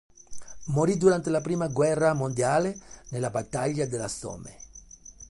Morì durante la prima guerra mondiale, nella battaglia della Somme.